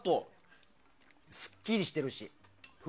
すっきりしてるし。